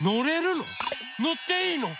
のっていいの？